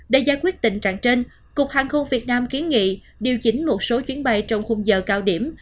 để giải quyết tình trạng trên cục hàng không việt nam kiến nghị điều chỉnh một số chuyến bay trong khung giờ cao điểm